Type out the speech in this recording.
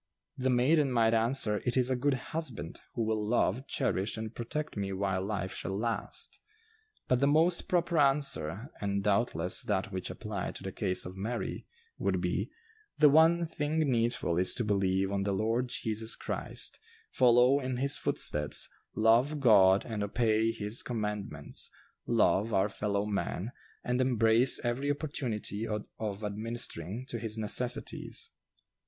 The maiden might answer, 'It is a good husband, who will love, cherish and protect me while life shall last.' But the most proper answer, and doubtless that which applied to the case of Mary, would be, 'The one thing needful is to believe on the Lord Jesus Christ, follow in his footsteps, love God and obey His commandments, love our fellow man, and embrace every opportunity of administering to his necessities.